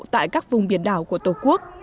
tại các vùng biển đảo của tổ quốc